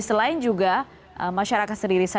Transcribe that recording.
selain juga masyarakat sendiri